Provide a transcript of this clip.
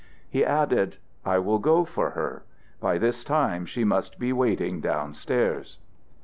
He added, "I will go for her. By this time she must be waiting down stairs."